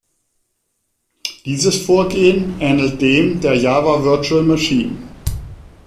Dieses Vorgehen ähnelt dem der Java Virtual Machine.